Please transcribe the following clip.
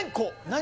何？